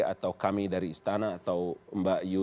atau kami dari istana atau mbak yu